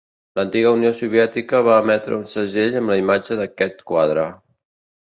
L'antiga Unió Soviètica va emetre un segell amb la imatge d'aquest quadre.